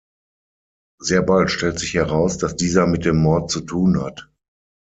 Sehr bald stellt sich heraus, dass dieser mit dem Mord zu tun hat.